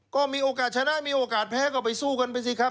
ก็มีโอกาสชนะมีโอกาสแพ้ก็ไปสู้กันไปสิครับ